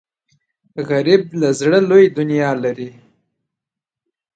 غریب له زړه لوی دنیا لري